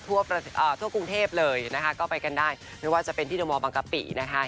ทั่วกรุงเทพเลยนะคะก็ไปกันได้ไม่ว่าจะเป็นที่เดอร์มอบางกะปินะคะ